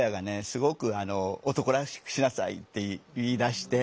すごく「男らしくしなさい」って言いだして。